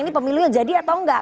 ini pemilu yang jadi atau enggak